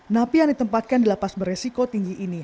napi yang ditempatkan di lapas beresiko tinggi ini